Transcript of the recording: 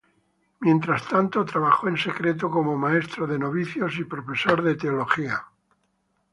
Mientras tanto, trabajó en secreto como maestro de novicios y profesor de teología.